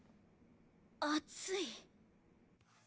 熱い。